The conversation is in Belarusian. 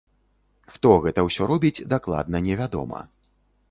Хто гэта ўсё робіць, дакладна не вядома.